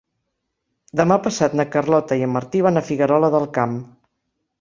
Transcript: Demà passat na Carlota i en Martí van a Figuerola del Camp.